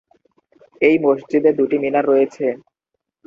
এই মসজিদে দুটি মিনার রয়েছে।